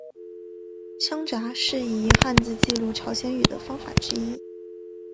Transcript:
乡札是以汉字记录朝鲜语的方法之一。